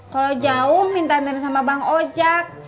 kalau jauh minta anterin sama bang ojak